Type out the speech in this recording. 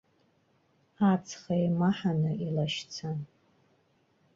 Аҵх еимаҳаны илашьцан.